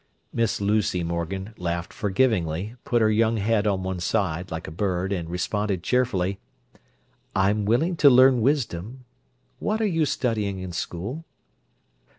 Miss Lucy Morgan laughed forgivingly, put her young head on one side, like a bird, and responded cheerfully: "I'm willing to learn wisdom. What are you studying in school?"